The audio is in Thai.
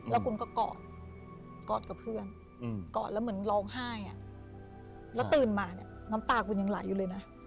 แล้วคุณก็กอดกอดกับเพื่อนกอดแล้วเหมือนร้องไห้แล้วตื่นมาเนี่ยน้ำตาคุณยังไหลอยู่เลยนะ